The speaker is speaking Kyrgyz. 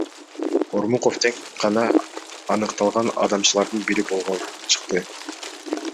Ормуков тек гана аныкталган алдамчылардын бири болуп чыкты.